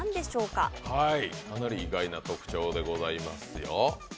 かなり意外な特徴でございますよ。